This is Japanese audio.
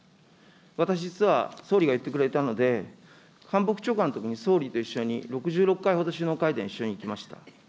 私、実は総理がいってくれたので、官房長官のときに総理と６６回ほど首脳会談一緒に行きました。